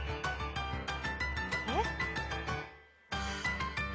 えっ？